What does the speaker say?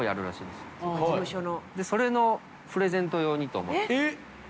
で、それのプレゼント用にと思って。